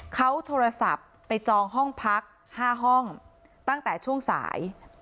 เขาโทรศัพท์ไปจองห้องพัก๕ห้องตั้งแต่ช่วงสาย